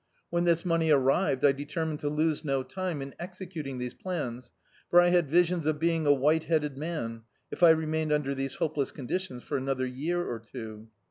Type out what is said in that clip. When this mcxiey arrived I determined to lose no time in executing these plans, for I had visions of being a white headed man, if I remained under these hopeless conditirais for another year or two.